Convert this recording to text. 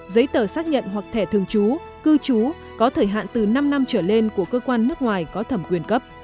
giấy tờ xác nhận hoặc thẻ thường trú cư trú có thời hạn từ năm năm trở lên của cơ quan nước ngoài có thẩm quyền cấp